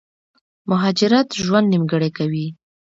مهاجرت ژوند نيمګړی کوي